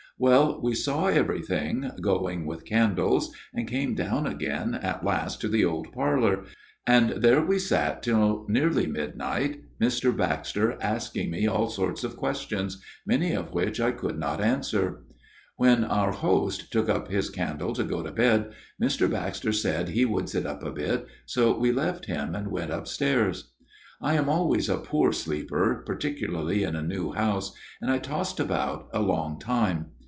" Well, we saw everything, going with candles, and came down again at last to the old parlour, and there we sat till nearly midnight, Mr. Baxter asking me all sorts of questions, many of which I could not answer. " When our host took up his candle to go to bed, Mr. Baxter said he would sit up a bit, so we left him and went upstairs. " I am always a poor sleeper, particularly in a new house, and I tossed about a long time.